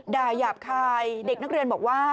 หยาบคายเด็กนักเรียนบอกว่า